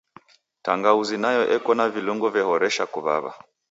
Tangauzi nayo eko na vilungo vehoresha kuw'aw'a.